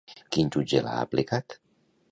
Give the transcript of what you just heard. Quin jutge l'ha aplicat?